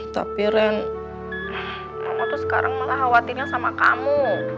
tapi ren kamu tuh sekarang malah khawatirnya sama kamu